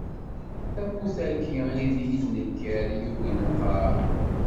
D tamurt-aki I deg i d nekker, i yugin leqrar.